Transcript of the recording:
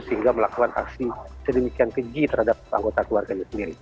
sehingga melakukan aksi sedemikian keji terhadap anggota keluarganya sendiri